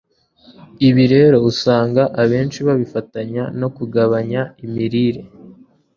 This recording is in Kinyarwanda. Ibi rero usanga abenshi babifatanya no kugabanya imirire